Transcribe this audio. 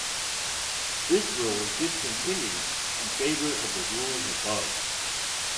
This rule was discontinued in favor of the rules above.